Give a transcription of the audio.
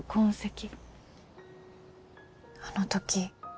あの時